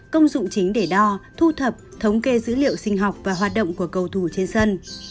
công dụng chính để đo thu thập thống kê dữ liệu sinh học và hoạt động của cầu thủ trên sân